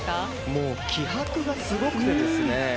もう気迫がすごくてですね。